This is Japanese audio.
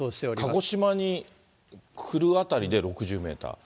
鹿児島に来るあたりで６０メーター？